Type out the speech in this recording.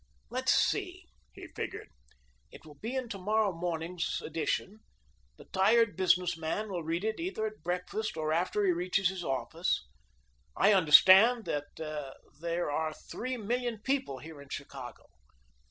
"Let's see," he figured; "it will be in tomorrow morning's edition. The tired business man will read it either at breakfast or after he reaches his office. I understand that there are three million people here in Chicago.